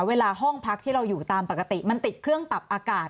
เวลาห้องพักที่เราอยู่ตามปกติมันติดเครื่องปรับอากาศ